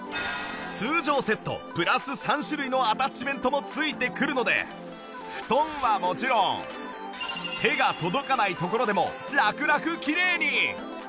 通常セットプラス３種類のアタッチメントも付いてくるので布団はもちろん手が届かないところでもラクラクきれいに